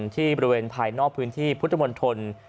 ที่บริเวณภายนอกพื้นที่พุทธมนตร